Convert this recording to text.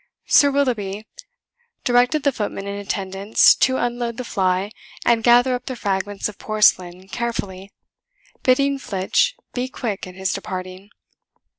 Sir Willoughby directed the footman in attendance to unload the fly and gather up the fragments of porcelain carefully, bidding Flitch be quick in his departing.